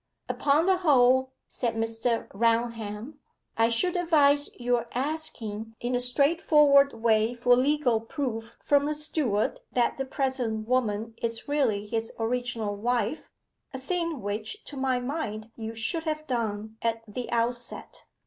'Upon the whole,' said Mr. Raunham, 'I should advise your asking in a straightforward way for legal proof from the steward that the present woman is really his original wife a thing which, to my mind, you should have done at the outset.